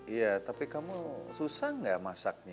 iya tapi kamu susah nggak masaknya